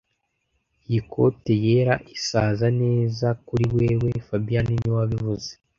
Iyi kote yera izasa neza kuri wewe fabien niwe wabivuze